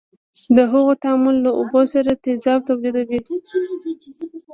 د هغو تعامل له اوبو سره تیزاب تولیدوي.